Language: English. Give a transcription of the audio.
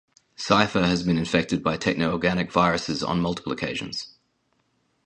Cypher has been infected by techno-organic viruses on multiple occasions.